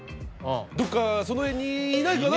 どっかその辺にいないかな？